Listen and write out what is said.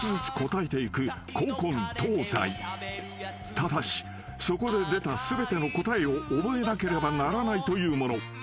［ただしそこで出た全ての答えを覚えなければならないというもの］